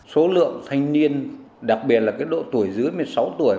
số lượng thanh niên đặc biệt là độ tuổi dưới một mươi sáu tuổi